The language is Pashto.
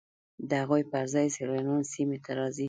د هغوی پر ځای سیلانیان سیمې ته راځي